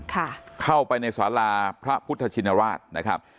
เข้าไปในสาราพระพุทธชินราชนะครับ